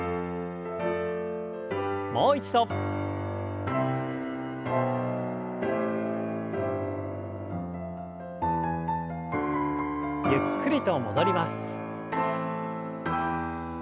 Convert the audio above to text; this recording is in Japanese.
もう一度。ゆっくりと戻ります。